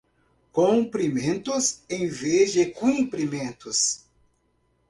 comprimentos em vez de cumprimentos